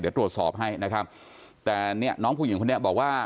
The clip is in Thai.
เดี๋ยวตรวจสอบให้นะครับแต่เนี่ยน้องผู้หญิงคนนี้บอกว่า